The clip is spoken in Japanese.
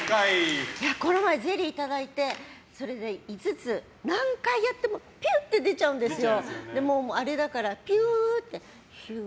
この前、ゼリーをいただいて５つ、何回やってもピュッて出ちゃうんですよ。